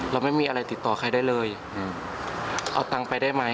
เราไม่มีอะไรติดต่อใครได้เลยเอาตังค์ไปได้ไหม